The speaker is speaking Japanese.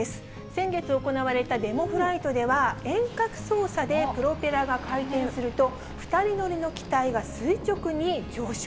先月行われたデモフライトでは、遠隔操作でプロペラが回転すると、２人乗りの機体が垂直に上昇。